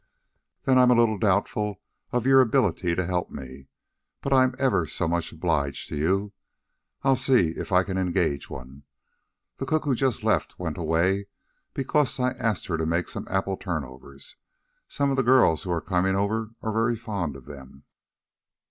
"Then I'm a little doubtful of your ability to help me. But I'm ever so much obliged to you. I'll see if I can engage one. The cook who just left went away because I asked her to make some apple turnovers. Some of the girls who are coming are very fond of them."